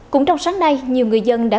cũng trong sáng nay nhiều người dân đã